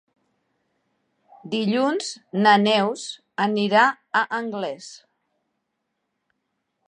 Dilluns na Neus anirà a Anglès.